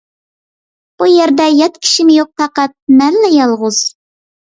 بۇ يەردە يات كىشىمۇ يوق، پەقەت مەنلا يالغۇز.